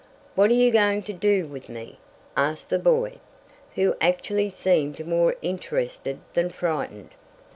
"What are you going to do with me?" asked the boy, who actually seemed more interested than frightened.